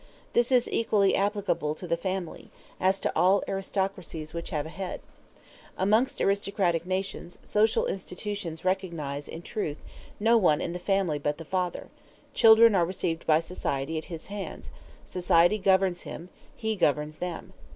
This is equally applicable to the family, as to all aristocracies which have a head. Amongst aristocratic nations, social institutions recognize, in truth, no one in the family but the father; children are received by society at his hands; society governs him, he governs them.